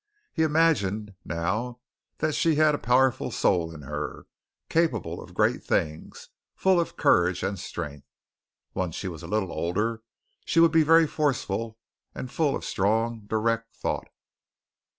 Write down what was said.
He imagined now that she had a powerful soul in her, capable of great things, full of courage and strength. Once she was a little older, she would be very forceful and full of strong, direct thought.